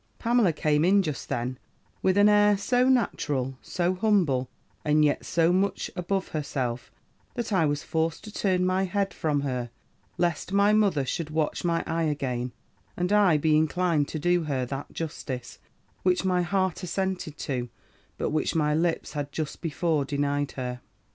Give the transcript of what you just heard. "Pamela came in just then, with an air so natural, so humble, and yet so much above herself, that I was forced to turn my head from her, lest my mother should watch my eye again, and I be inclined to do her that justice, which my heart assented to, but which my lips had just before denied her.